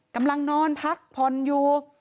กำลังนอนพักพรอยู่